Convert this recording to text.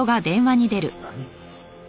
何？